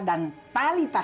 tante duduk aja